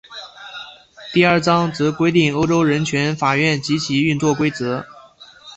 第二章则规定欧洲人权法院及其运作规则。